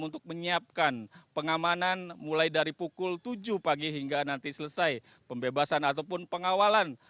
untuk menyiapkan pengamanan mulai dari pukul tujuh pagi hingga nanti selesai pembebasan ataupun pengawalan